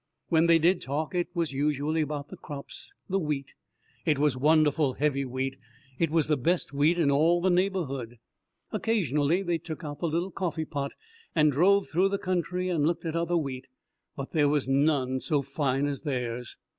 When they did talk it was usually about the crops the wheat. It was wonderful heavy wheat. It was the best wheat in all the neighbourhood. Occasionally they took out the little coffeepot and drove through the country and looked at other wheat, but there was none so fine as theirs.